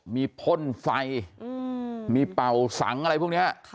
มีพ่นไฟมีเป่าสังอะไรพวกนี้